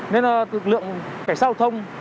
nên là lực lượng cảnh sát giao thông